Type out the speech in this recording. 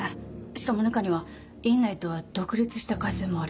しかも中には院内とは独立した回線もある。